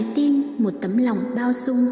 tin một tấm lòng bao sung